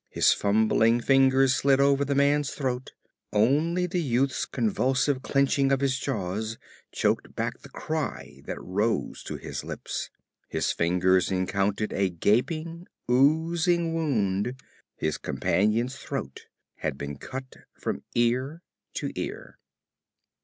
His fumbling fingers slid over the man's throat only the youth's convulsive clenching of his jaws choked back the cry that rose to his lips. His fingers encountered a gaping, oozing wound his companion's throat had been cut from ear to ear.